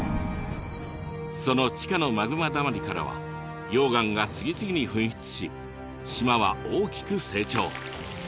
その地下のマグマだまりからは溶岩が次々に噴出し島は大きく成長。